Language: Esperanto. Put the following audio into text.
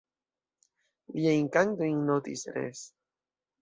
Liajn kantojn notis, res.